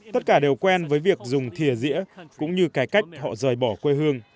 tất cả đều quen với việc dùng thỉa dĩa cũng như cái cách họ rời bỏ quê hương